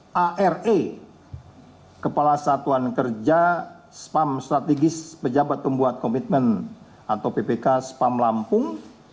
h re kepala satuan kerja spam strategis pejabat pembuat komitmen atau ppk spam lampung